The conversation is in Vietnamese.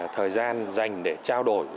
thời gian dành để trao đổi